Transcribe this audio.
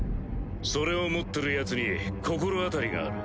それを持ってるヤツに心当たりがある。